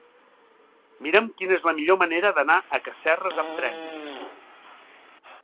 Mira'm quina és la millor manera d'anar a Casserres amb tren.